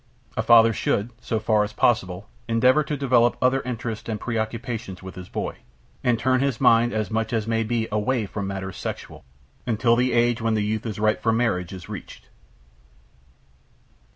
A father should, so far as possible, endeavor to develop other interests and preoccupations in his boy, and turn his mind as much as may be away from matters sexual, until the age when the youth is ripe for marriage is reached.